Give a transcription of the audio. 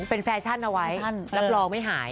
เป็นแฟชั่นเอาไว้รับรองไม่หาย